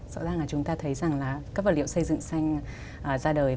rõ ràng là chúng ta thấy rằng là các vật liệu xây dựng xanh ra đời